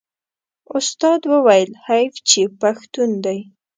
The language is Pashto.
استاد وویل حیف چې پښتون دی.